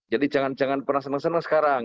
jadi jangan jangan pernah senang senang sekarang